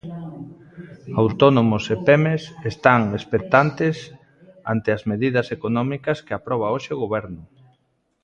Autónomos e pemes están expectantes ante as medidas económicas que aproba hoxe o Goberno.